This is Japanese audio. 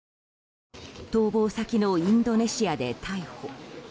逃亡先のインドネシアで逮捕。